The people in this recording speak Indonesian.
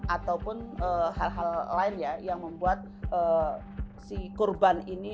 ataupun hal hal lain yang membuat si kurban ini